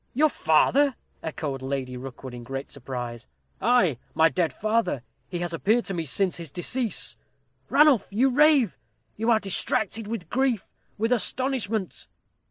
"Your father?" echoed Lady Rookwood, in great surprise. "Ay, my dead father! He has appeared to me since his decease." "Ranulph, you rave you are distracted with grief with astonishment."